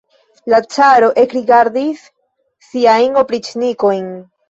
La caro ekrigardis siajn opriĉnikojn.